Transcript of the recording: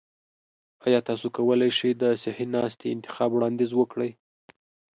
ایا تاسو کولی شئ د صحي ناستي انتخاب وړاندیز وکړئ؟